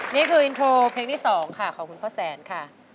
นี่คืออินโทรเพลงที่๒ค่ะของคุณพ่อแสนค่ะ